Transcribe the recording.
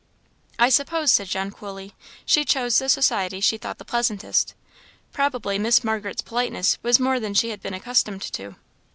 "I suppose," said John, coolly, "she chose the society she thought the pleasantest. Probably Miss Margaret's politeness was more than she had been accustomed to."